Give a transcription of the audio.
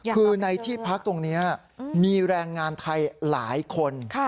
คือในที่พักตรงนี้มีแรงงานไทยหลายคน